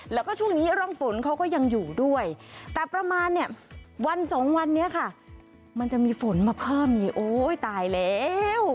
แล้วก็ช่วงนี้ร่องฝนเขาก็ยังอยู่ด้วยแต่ประมาณเนี่ยวันสองวันนี้ค่ะมันจะมีฝนมาเพิ่มอีกโอ้ยตายแล้ว